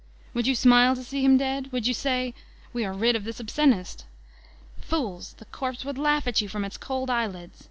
Would you smile to see him dead? Would you say, "We are rid of this obscenist"? Fools! The corpse would laugh at you from its cold eyelids!